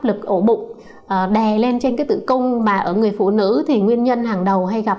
lực ổ bụng đè lên trên cái tự công mà ở người phụ nữ thì nguyên nhân hàng đầu hay gặp